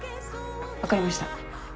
分かりました。